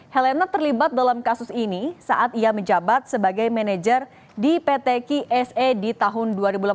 helena terlibat dalam kasus ini saat ia menjabat sebagai manajer di pt ksa di tahun dua ribu delapan belas